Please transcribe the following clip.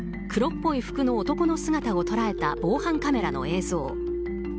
黒っぽい服の男の姿を捉えた防犯カメラの映像。